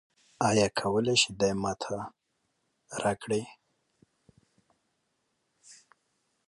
خپل فشار وپیژنئ او کم یې کړئ.